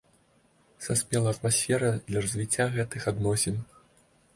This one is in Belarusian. Саспела атмасфера для развіцця гэтых адносін.